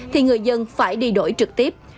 thì người dân phải đi đổi trực tiếp